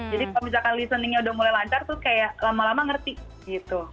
jadi kalau misalkan listeningnya udah mulai lancar tuh kayak lama lama ngerti gitu